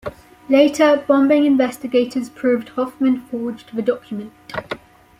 Later, bombing investigators proved Hofmann forged the document.